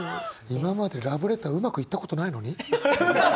今までラブレターうまくいったことないのに？